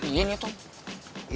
ini ini tuh